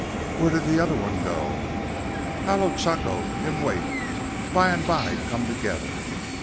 "Where did the other one go?" "Halo chako. Him wait. By and by come together.